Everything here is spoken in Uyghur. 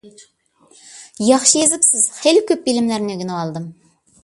ياخشى يېزىپسىز، خېلى كۆپ بىلىملەرنى ئۆگىنىۋالدىم.